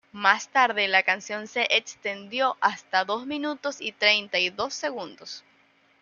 Más tarde, la canción se extendió hasta dos minutos y treinta y dos segundos.